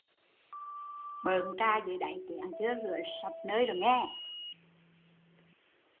Bợn trà dưới đáy chén chưa rửa sạch